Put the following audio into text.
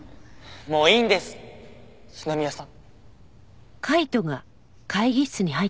もういいんです篠宮さん。